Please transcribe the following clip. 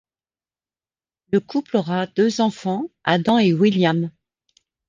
Le couple aura deux enfants, Adam et William.